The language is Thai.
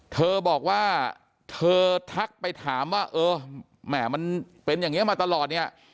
เธอบอกว่าเธอทักไปถามว่าเออแหม่มันเป็นอย่างนี้มาตลอดเนี่ย